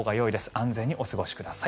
安全にお過ごしください。